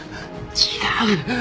違う。